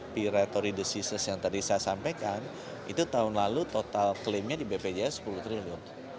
pertama yang saya sampaikan itu tahun lalu total klaimnya di bpjs sepuluh triliun